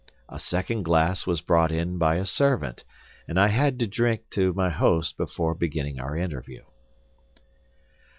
A second glass was brought in by a servant, and I had to drink to my host before beginning our interview.